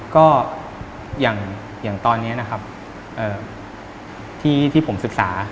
ก็อย่างตอนนี้นะครับที่ผมศึกษา